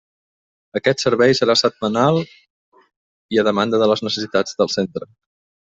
Aquest servei serà setmanal i a demanda de les necessitats del Centre.